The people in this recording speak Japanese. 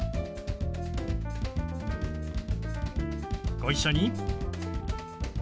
ご一緒に。